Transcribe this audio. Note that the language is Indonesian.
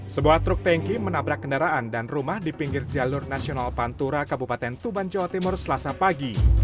sebuah truk tanki menabrak kendaraan dan rumah di pinggir jalur nasional pantura kabupaten tuban jawa timur selasa pagi